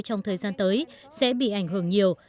trong thời gian tới sẽ bị ảnh hưởng nhiều